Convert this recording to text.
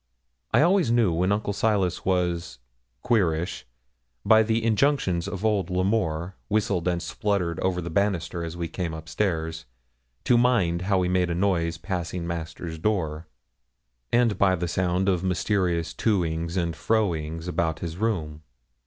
I always knew when Uncle Silas was 'queerish,' by the injunctions of old L'Amour, whistled and spluttered over the banister as we came up stairs, to mind how we made a noise passing master's door; and by the sound of mysterious to ings and fro ings about his room.